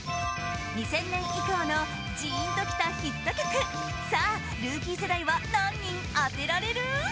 ２０００年以降のジーンときたヒット曲さあルーキー世代は何人当てられる？